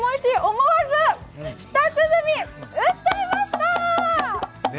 思わず舌鼓、打っちゃいました！